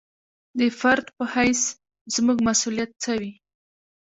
د فرد په حیث زموږ مسوولیت څه وي.